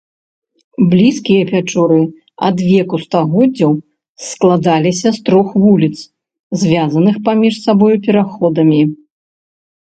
Блізкія пячоры адвеку стагоддзяў складаліся з трох вуліц, звязаных паміж сабой пераходамі.